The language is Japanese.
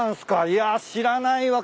いや知らないわ柏。